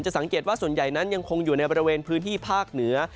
สังเกตว่าส่วนใหญ่นั้นยังคงอยู่ในบริเวณพื้นที่ภาคเหนือ